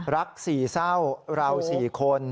รักสี่เศร้าเราสี่คน